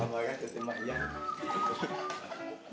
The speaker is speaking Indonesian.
orangnya tetep banyak